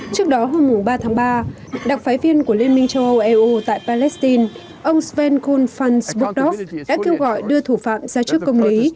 trước đó hôm ba tháng ba đặc phái viên của liên minh châu âu eu tại palestine ông sven kuhn pfanz bukdorf đã kêu gọi đưa thủ phạm ra trước công lý